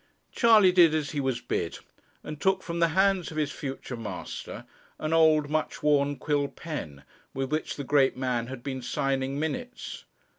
Charley did as he was bid, and took from the hands of his future master an old, much worn quill pen, with which the great man had been signing minutes.